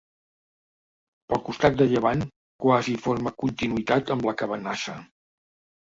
Pel costat de llevant quasi forma continuïtat amb la Cabanassa.